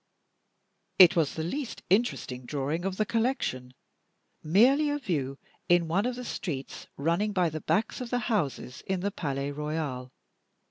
It was the least interesting drawing of the collection merely a view in one of the streets running by the backs of the houses in the Palais Royal.